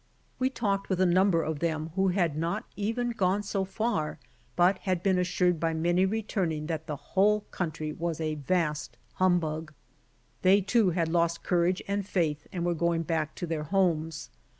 We talked with a number of them who had not even gone so far, but had been assured by many returning that the whole country was a vast humbug. Thej^, too, had lost courage and faith and were going back to their homes.